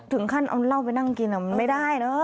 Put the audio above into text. ถึงขั้นเอาเหล้าไปนั่งกินมันไม่ได้เนอะ